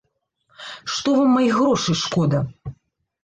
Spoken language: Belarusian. Што вам маіх грошай шкода?